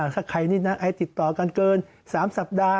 ถ้าใครนี่นะให้ติดต่อกันเกิน๓สัปดาห์